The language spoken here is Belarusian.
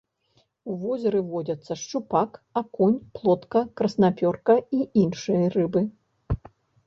У возеры водзяцца шчупак, акунь, плотка, краснапёрка і іншыя рыбы.